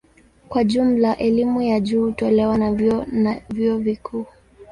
Kwa jumla elimu ya juu hutolewa na vyuo na vyuo vikuu.